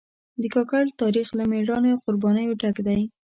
د کاکړ تاریخ له مېړانې او قربانیو ډک دی.